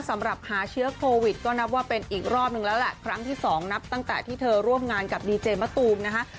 สำหรับหาเชื้อโควิดก็นับว่าเป็นอีกรอบนึงแล้วแหละครั้งที่สองนับตั้งแต่ที่เธอร่วมงานกับดีเจมะตูมนะคะ